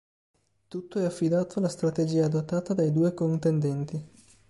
Tutto è affidato alla strategia adottata dai due contendenti.